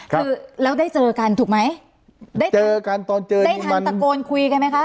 คือแล้วได้เจอกันถูกไหมได้เจอกันตอนเจอได้ทันตะโกนคุยกันไหมคะ